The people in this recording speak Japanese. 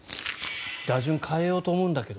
打順、変えようと思うんだけど。